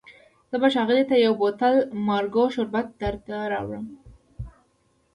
زه به ښاغلي ته یو بوتل مارګو شربت درته راوړم.